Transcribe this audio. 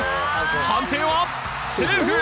判定は、セーフ！